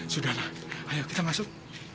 sudahlah ayo kita masuk